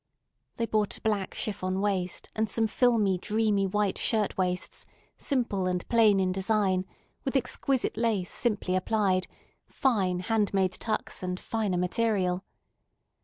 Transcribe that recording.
They bought a black chiffon waist and some filmy, dreamy white shirt waists, simple and plain in design, with exquisite lace simply applied, fine hand made tucks, and finer material.